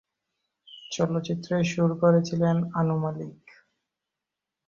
চলচ্চিত্রে সুর করেছিলেন আনু মালিক।